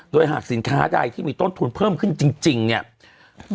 โดยหากสินค้าใดที่มีต้นทุนเพิ่มขึ้นจริงจริงเนี้ยอืม